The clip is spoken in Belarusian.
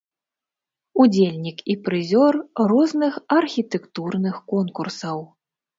Удзельнік і прызёр розных архітэктурных конкурсаў.